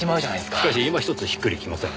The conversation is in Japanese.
しかし今ひとつしっくりきません。